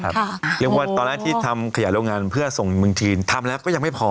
เรียกว่าตอนแรกที่ทำขยายโรงงานเพื่อส่งเมืองจีนทำแล้วก็ยังไม่พอ